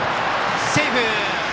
セーフ！